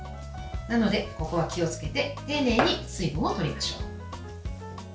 なので、ここは気をつけて丁寧に水分を取りましょう。